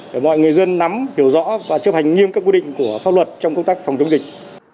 để mọi người dân nắm hiểu rõ và chấp hành nghiêm các quy định của pháp luật trong công tác phòng chống dịch